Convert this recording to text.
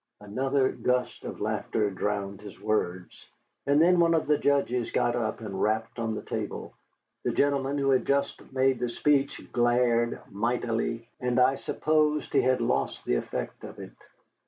Another gust of laughter drowned his words, and then one of the judges got up and rapped on the table. The gentleman who had just made the speech glared mightily, and I supposed he had lost the effect of it.